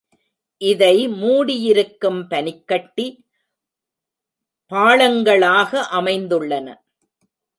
இதை மூடியிருக்கும் பனிக்கட்டி, பாளங்களாக அமைந்துள்ளன.